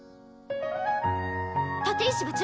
立石部長。